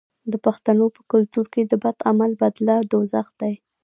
د پښتنو په کلتور کې د بد عمل بدله دوزخ دی.